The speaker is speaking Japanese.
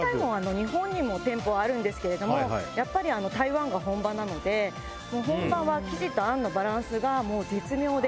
日本にも店舗あるんですけれどもやっぱり台湾が本場なので本場は生地と餡のバランスがもう絶妙で！